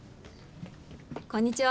こんにちは。